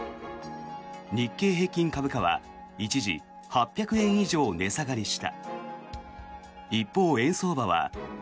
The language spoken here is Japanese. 日経平均株価は一時８００円以上値下がりした。